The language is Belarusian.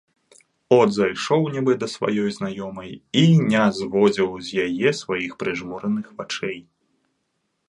От зайшоў нібы да сваёй знаёмай і не зводзіў з яе сваіх прыжмураных вачэй.